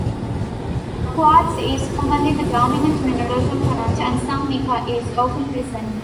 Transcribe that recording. Quartz is commonly the dominant mineral component, and some mica is often present.